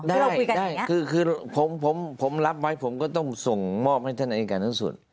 ใช่นี่คือผมรับไว้ผมก็ต้องส่งหมอบให้ท่านอจการทั้งสุด